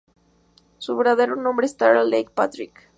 Su verdadero nombre es Tara Leigh Patrick.